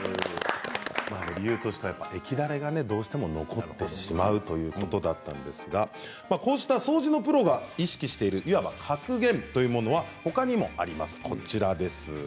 理由としてはやっぱり液垂れはどうしても残ってしまうということだったんですがこうした掃除のプロが意識しているいわば格言というものはほかにもあります。